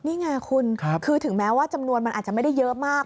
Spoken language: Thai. นี่ไงคุณคือถึงแม้ว่าจำนวนมันอาจจะไม่ได้เยอะมาก